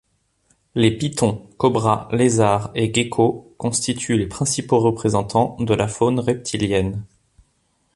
Les pythons, cobras, lézards et geckos constituent les principaux représentants de la faune reptilienne.